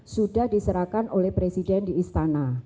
sudah diserahkan oleh presiden di istana